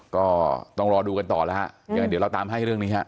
ก็ต้องรอดูกันต่อแล้วฮะยังไงเดี๋ยวเราตามให้เรื่องนี้ฮะ